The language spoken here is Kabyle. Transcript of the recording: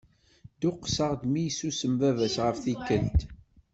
Dduqseɣ-d mi yessusem baba-s ɣef tikkelt.